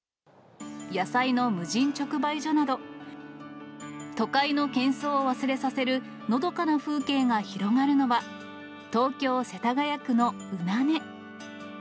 野菜の無人直売所など、都会のけん騒を忘れさせる、のどかな風景が広がるのは、東京・世田谷区の宇奈根。